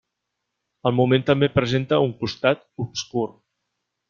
El moment també presenta un costat obscur.